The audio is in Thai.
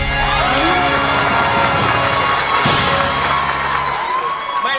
และกลับไปบริษัทปราณีไทย